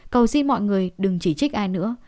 cầu xin mọi người đừng chỉ trích ai nữa